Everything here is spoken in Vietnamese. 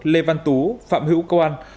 lê văn tú phạm hữu công an